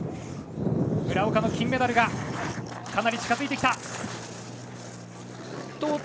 村岡の金メダルがかなり近づいてきた。